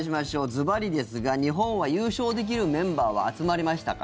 ずばりですが日本は優勝できるメンバーは集まりましたか？